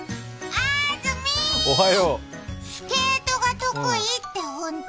あーずみ、スケートが得意って本当？